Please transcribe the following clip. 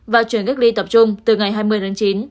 và chuyển cách ly tập trung từ ngày hai mươi tháng chín